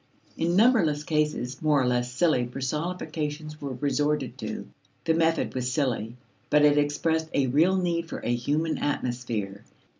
In numberless cases, more or less silly personifications were resorted to. The method was silly, but it expressed a real need for a human atmosphere.